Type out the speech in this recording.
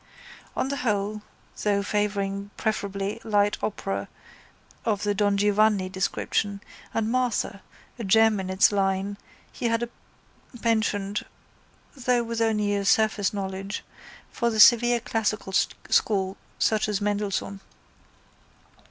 On the whole though favouring preferably light opera of the Don Giovanni description and Martha, a gem in its line, he had a penchant, though with only a surface knowledge, for the severe classical school such as Mendelssohn.